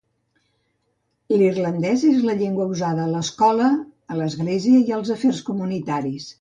L'irlandès és la llengua usada a l'escola, a l'església i als afers comunitaris.